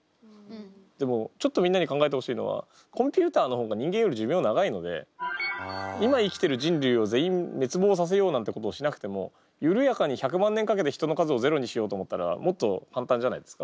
でもちょっとみんなに考えてほしいのはコンピューターの方が人間より寿命長いので今生きてる人類を全員滅亡させようなんてことをしなくても緩やかに１００万年かけて人の数をゼロにしようと思ったらもっと簡単じゃないですか。